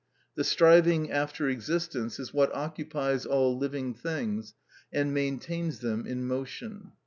The striving after existence is what occupies all living things and maintains them in motion.